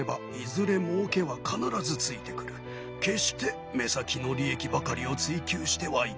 決して目先の利益ばかりを追求してはいけないよ。